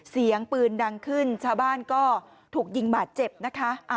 เสียงปืนดังขึ้นชาวบ้านก็ถูกยิงบาดเจ็บนะคะ